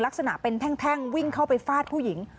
ลักษณะเป็นแท่งวิ่งเข้าไปฟาดผู้หญิง